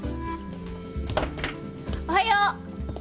おはよう。